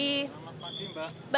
selamat pagi mbak